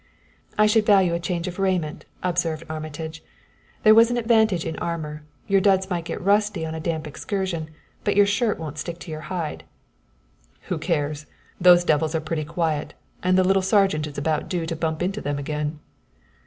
"I should value a change of raiment," observed Armitage. "There was an advantage in armor your duds might get rusty on a damp excursion, but your shirt wouldn't stick to your hide." "Who cares? Those devils are pretty quiet, and the little sergeant is about due to bump into them again."